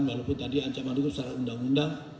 walaupun tadi ancaman hukum secara undang undang